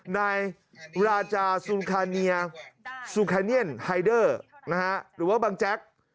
นายราจาซูคาเนียซูคาเนียนไฮเดอร์หรือว่าบังแจ๊ก